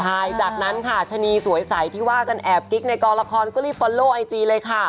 ใช่จากนั้นค่ะชะนีสวยใสที่ว่ากันแอบกิ๊กในกองละครก็รีบฟอลโลไอจีเลยค่ะ